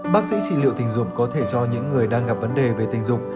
bác sĩ trị liệu tình dục có thể cho những người đang gặp vấn đề về tình dục